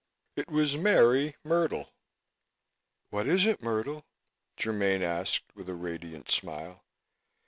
It was Mary Myrtle. "What is it, Myrtle?" Germaine asked with a radiant smile.